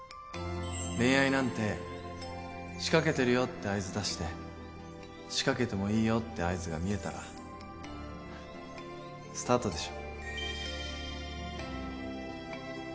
恋愛なんて仕掛けてるよって合図仕掛けてもいいよって合図が見えたらスタートでしょ